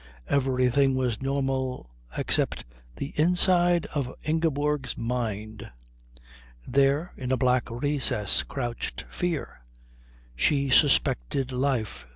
Everything was normal except the inside of Ingeborg's mind. There, in a black recess, crouched fear. She suspected life.